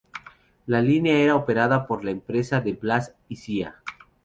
La línea era operada por la empresa De Blas y Cía.